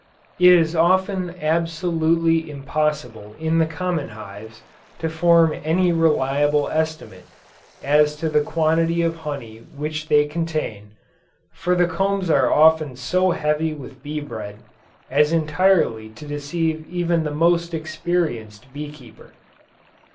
It is often absolutely impossible in the common hives, to form any reliable estimate, as to the quantity of honey which they contain, for the combs are often so heavy with bee bread, as entirely to deceive even the most experienced bee keeper.